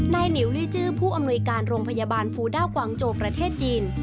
หลิวลีจื้อผู้อำนวยการโรงพยาบาลฟูด้ากวางโจประเทศจีน